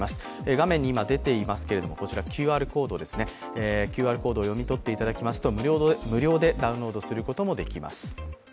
画面に今出ていますけど、ＱＲコードを読み取っていただきますと無料でダウンロードすることもできます。